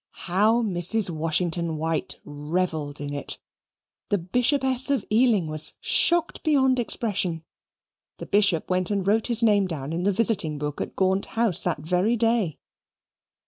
How Mrs. Washington White revelled in it! The Bishopess of Ealing was shocked beyond expression; the Bishop went and wrote his name down in the visiting book at Gaunt House that very day.